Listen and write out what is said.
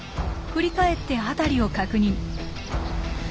振り返って辺りを確認。